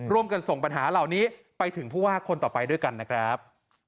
ส่งปัญหาเหล่านี้ไปถึงผู้ว่าคนต่อไปด้วยกันนะครับ